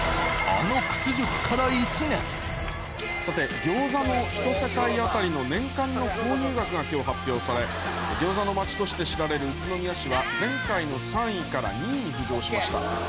さてギョーザの一世帯あたりの年間の購入額が今日発表されギョーザの街として知られる宇都宮市は前回の３位から２位に浮上しました。